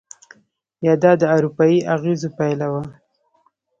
یا دا د اروپایي اغېزو پایله وه؟